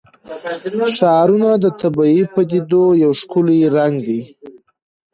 ښارونه د طبیعي پدیدو یو ښکلی رنګ دی.